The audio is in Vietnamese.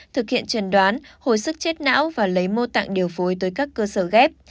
thực hiện trần đoán hồi sức chết não và lấy mô tạng điều phối tới các cơ sở ghép